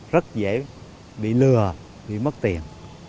rất dễ bị lừa bị mất tiền